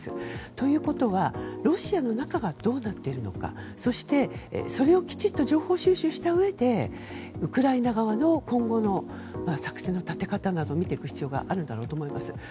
ということは、ロシアの中がどうなっているのかそして、それをきちっと情報収集したうえでウクライナ側の今後の作戦の立て方なども見ていく必要があるんだろうと思います。